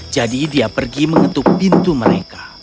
jadi dia pergi mengetuk pintu mereka